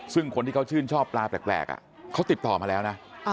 ซึ่งคนที่เขาชื่นชอบปลาแปลกเขาติดต่อมาแล้วนะ